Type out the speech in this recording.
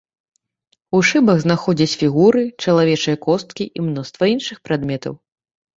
У шыбах знаходзяць фігуры, чалавечыя косткі і мноства іншых прадметаў.